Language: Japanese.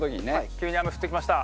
急に雨降ってきました。